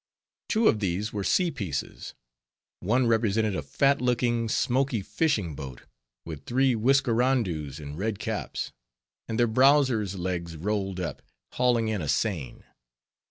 Two of these were sea pieces. One represented a fat looking, smoky fishing boat, with three whiskerandoes in red caps, and their browsers legs rolled up, hauling in a seine.